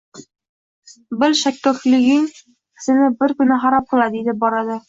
Bil, shakkokliging seni bir kuni xarob qiladi, yetib boradi…